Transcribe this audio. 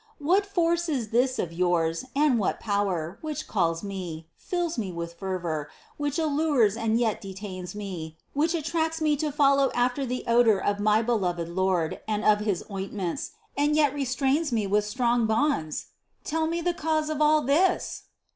What force is this of yours, and what power, which calls me, fills me with fervor, which allures and yet detains me, which attracts me to follow after the odor of my beloved Lord and of his ointments, and yet restrains me with strong bonds? Tell me the cause of all this!"